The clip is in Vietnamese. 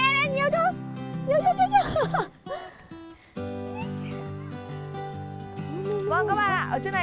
ê con cá to chưa